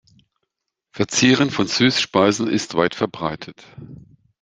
Verzieren von Süßspeisen ist weit verbreitet.